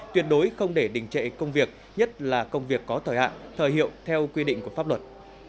tuyệt đối không để đình trệ công việc nhất là công việc có thời hạn thời hiệu theo quy định của pháp luật